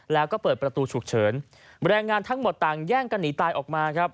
แล้วก็เปิดประตูฉุกเฉินแรงงานทั้งหมดต่างแย่งกันหนีตายออกมาครับ